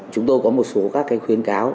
chúng tôi có một số các khuyến cáo